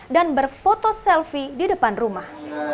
dan berfoto selfie di depan rumah